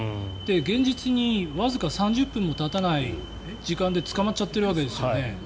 現実にわずか３０分もたたない時間で捕まっちゃってるわけですよね。